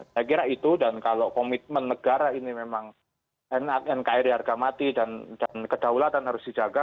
saya kira itu dan kalau komitmen negara ini memang nkri harga mati dan kedaulatan harus dijaga